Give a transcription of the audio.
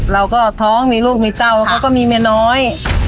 เราก็ท้องมีลูกมีเจ้าเขาก็มีเมียน้อย